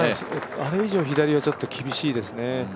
あれ以上左はちょっと厳しいですね。